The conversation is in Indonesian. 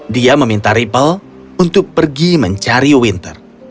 dia meminta ripple untuk pergi mencari winter